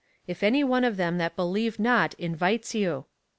If any one of them that believe not invites you.